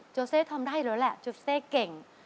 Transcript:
โจเซทำได้เลยแหละโจเซเก่ง